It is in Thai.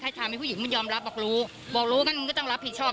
ทำให้ผู้หญิงมันยอมรับบอกรู้บอกรู้มันก็ต้องรับผิดชอบ